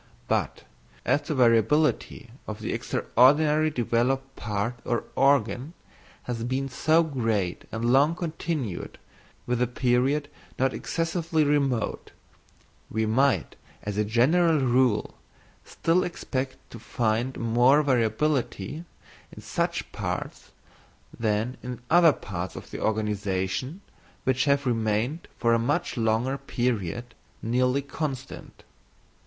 But as the variability of the extraordinarily developed part or organ has been so great and long continued within a period not excessively remote, we might, as a general rule, still expect to find more variability in such parts than in other parts of the organisation which have remained for a much longer period nearly constant.